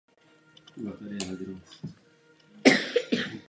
Pokud jde o tuto situaci, nesledujeme černobílý film.